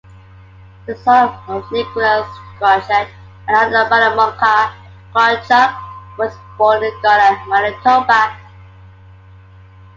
The son of Nicholas Krawchyk and Anna Mylymonka, Krawchyk was born in Garland, Manitoba.